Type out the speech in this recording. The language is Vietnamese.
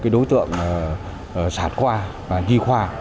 đối tượng sản khoa và nhi khoa